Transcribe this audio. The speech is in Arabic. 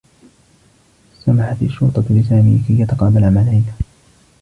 سمحت الشّرطة لسامي كي يتقابل مع ليلي.